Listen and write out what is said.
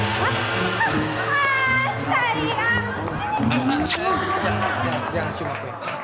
jangan jangan jangan cium aku ya